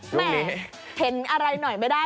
แหมเห็นอะไรหน่อยไม่ได้